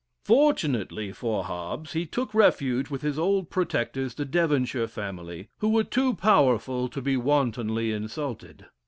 Fortunately for Hobbes, he took refuge with his old protectors, the Devonshire family, who were too powerful to be wantonly insulted.